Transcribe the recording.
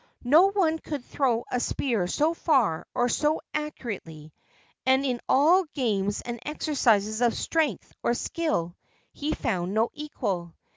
No one could throw a spear so far or so accurately, and in all games and exercises of strength or skill he found no equal.